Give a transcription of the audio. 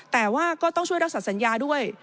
แต่ว่าก็ต้องช่วยรักษาสัญญาด้วย